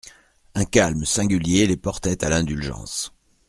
Un calme singulier les portait à l'indulgence.